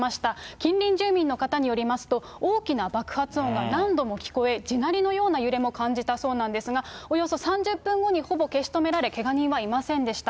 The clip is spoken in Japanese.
近隣住民の方によりますと、大きな爆発音が何度も聞こえ、地鳴りのような揺れも感じたそうなんですが、およそ３０分後にほぼ消し止められ、けが人はいませんでした。